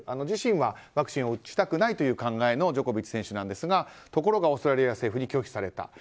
自身はワクチンを打ちたくないという考えのジョコビッチ選手なんですがところがオーストラリア政府に拒否された。